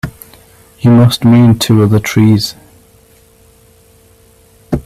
You must mean two other trees.